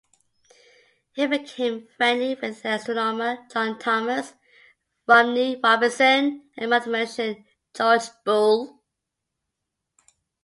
He became friendly with astronomer John Thomas Romney Robinson, and mathematician George Boole.